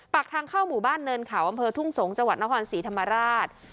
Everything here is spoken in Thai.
ปากทางเข้าหมู่บ้านเนินเขาอำเภอทุ่งสงศ์จังหวัดนครศรีธรรมราช